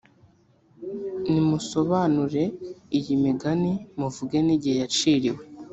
nimusobanure iyi migani muvuge n igihe yaciriwe